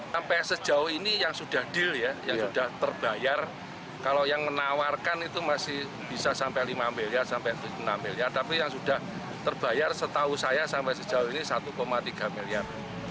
tapi yang sudah terbayar setahu saya sampai sejauh ini satu tiga miliar